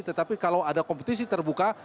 tetapi kalau ada kompetisi terbuka